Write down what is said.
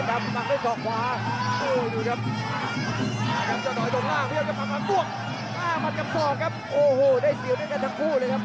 อ้าวแล้วครับคุณพี่ผมพี่มา